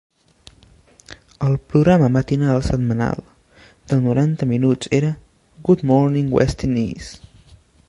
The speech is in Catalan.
El programa matinal setmanal de noranta minuts era "Good Morning West Tennessee".